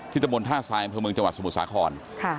ที่ตะบนท่าทรายเมืองจังหวัดสมุทรสาขร